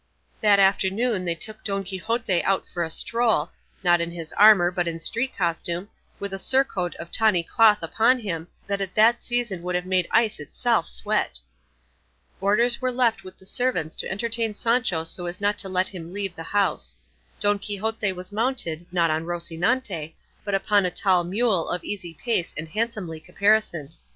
That afternoon they took Don Quixote out for a stroll, not in his armour but in street costume, with a surcoat of tawny cloth upon him, that at that season would have made ice itself sweat. Orders were left with the servants to entertain Sancho so as not to let him leave the house. Don Quixote was mounted, not on Rocinante, but upon a tall mule of easy pace and handsomely caparisoned.